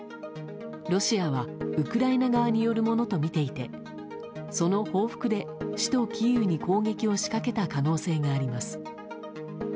ロシアはウクライナ側によるものとみていてその報復で首都キーウに攻撃を仕掛けた可能性があります。